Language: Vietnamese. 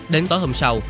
đến tối hôm sau